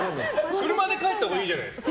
車で帰ったほうがいいじゃないですか。